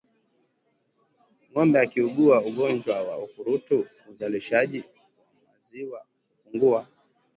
Ngombe akiugua ugonjwa wa ukurutu uzalishaji wa maziwa hupungua